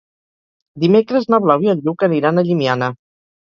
Dimecres na Blau i en Lluc aniran a Llimiana.